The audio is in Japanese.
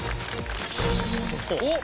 おっ。